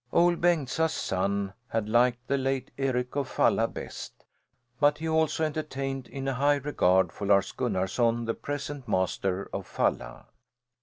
Ol' Bengtsa's son had liked the late Eric of Falla best, but he also entertained in a high regard for Lars Gunnarson, the present master of Falla.